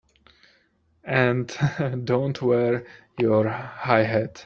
And don't wear your high hat!